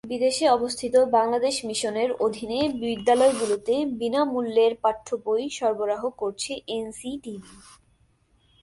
বিদেশে অবস্থিত বাংলাদেশ মিশনের অধীনে বিদ্যালয়গুলোতে বিনা মূল্যের পাঠ্যবই সরবরাহ করছে এনসিটিবি।